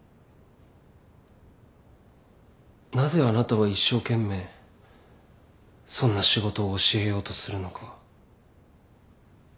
なぜあなたは一生懸命そんな仕事を教えようとするのか。